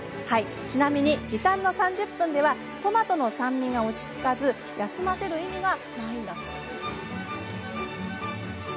ちなみに時短の３０分ではトマトの酸味が落ち着かず休ませる意味がないんだそうです。